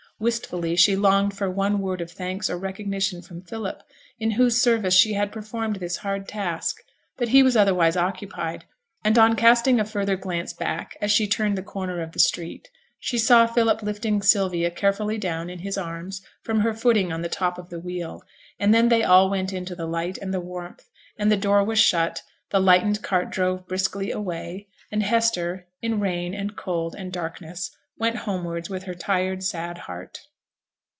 Wistfully she longed for one word of thanks or recognition from Philip, in whose service she had performed this hard task; but he was otherwise occupied, and on casting a further glance back as she turned the corner of the street, she saw Philip lifting Sylvia carefully down in his arms from her footing on the top of the wheel, and then they all went into the light and the warmth, the door was shut, the lightened cart drove briskly away, and Hester, in rain, and cold, and darkness, went homewards with her tired sad heart.